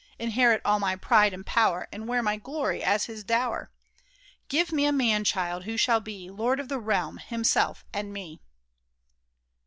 Inherit all my pride and power, And wear my glory as his dower ? Give me a man child, who shall be Lord of the realm, himself, and me